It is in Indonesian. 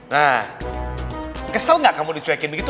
nah kesel gak kamu dicuekin begitu